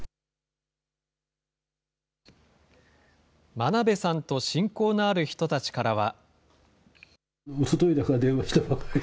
真鍋さんと親交のある人たちからは。